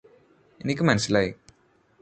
എനിക്ക് മനസ്സിലായി